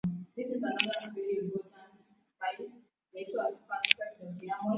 Watu wanaweza kupata ugonjwa wa kimeta wakati wa kula nyama yenye maambukizi